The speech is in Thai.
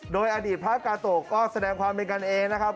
โดยอดีตพระกาโตะก็แสดงความเป็นกันเองนะครับ